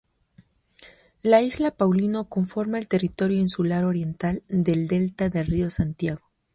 La isla Paulino conforma el territorio insular oriental del delta del río Santiago.